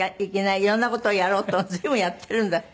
いろんな事をやろうと随分やってるんだって？